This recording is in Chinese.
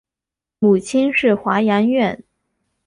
母亲是华阳院。